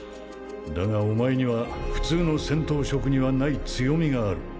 だがお前には普通の戦闘職にはない強みがある